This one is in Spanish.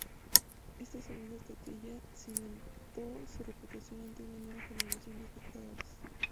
Esta segunda estatuilla cimentó su reputación ante una nueva generación de espectadores.